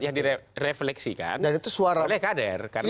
yang direfleksikan oleh kader